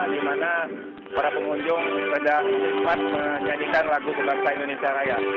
di mana para pengunjung sudah nikmat menyanyikan lagu kebangsa indonesia raya